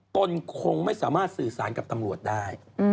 ตนคงไม่สามารถสื่อสารกับตำรวจได้